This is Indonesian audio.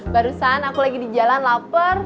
barusan aku lagi di jalan lapar